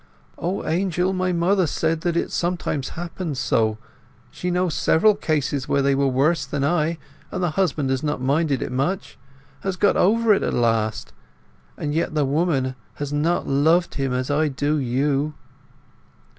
"O Angel—my mother says that it sometimes happens so!—she knows several cases where they were worse than I, and the husband has not minded it much—has got over it at least. And yet the woman had not loved him as I do you!"